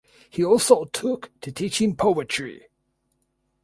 He also took to teaching poetry.